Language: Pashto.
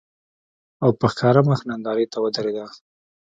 او په ښکاره مخ نندارې ته ودرېده